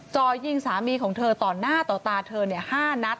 จ่อยิงสามีของเธอต่อหน้าต่อตาเธอ๕นัด